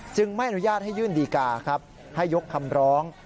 ไม่อนุญาตให้ยื่นดีกาครับให้ยกคำร้อง